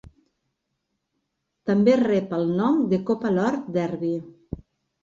També rep el nom de Copa Lord Derby.